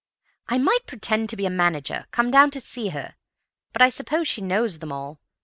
"'I might pretend to be a manager, come down to see her—but I suppose she knows them all.